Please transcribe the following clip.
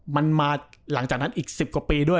มันมาหลังจากนั้นอีก๑๐กว่าปีด้วย